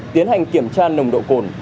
tiến hành kiểm tra nồng độ cồn